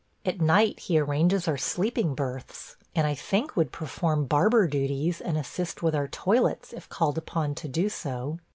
At night he arranges our sleeping berths, and I think would perform barber duties and assist with our toilets if called upon to do so.